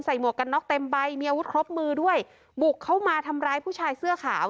หมวกกันน็อกเต็มใบมีอาวุธครบมือด้วยบุกเข้ามาทำร้ายผู้ชายเสื้อขาว